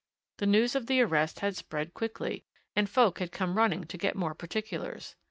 The news of the arrest had spread quickly, and folk had come running to get more particulars.